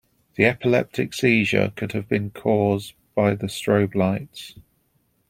The epileptic seizure could have been cause by the strobe lights.